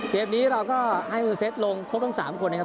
เกมนี้เราก็ให้มือเซตลงครบทั้ง๓คนนะครับ